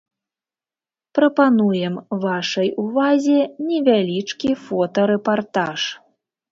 Прапануем вашай увазе невялічкі фотарэпартаж.